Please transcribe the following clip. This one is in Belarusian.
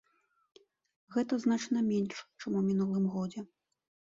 Гэта значна менш, чым у мінулым годзе.